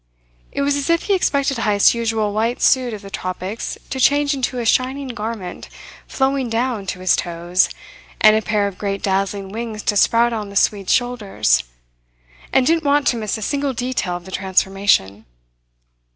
It was as if he expected Heyst's usual white suit of the tropics to change into a shining garment, flowing down to his toes, and a pair of great dazzling wings to sprout out on the Swede's shoulders and didn't want to miss a single detail of the transformation.